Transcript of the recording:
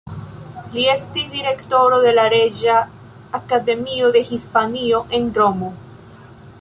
Li estis Direktoro de la Reĝa Akademio de Hispanio en Romo.